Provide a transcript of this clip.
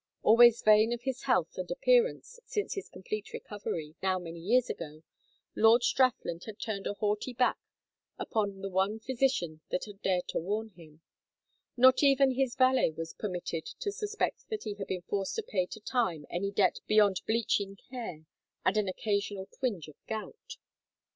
Always vain of his health and appearance since his complete recovery, now many years ago, Lord Strathland had turned a haughty back upon the one physician that had dared to warn him; not even his valet was permitted to suspect that he had been forced to pay to Time any debt beyond bleaching hair and an occasional twinge of gout.